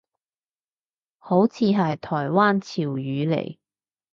好似係台灣潮語嚟